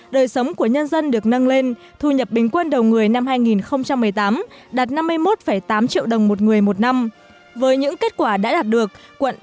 để sau này có thể đóng góp cho sự nghiệp bảo vệ